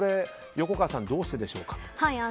横川さん、どうしてでしょうか。